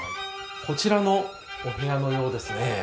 こちらのお部屋のようですね。